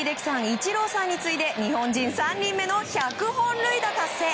イチローさんに次いで日本人３人目の１００本塁打達成。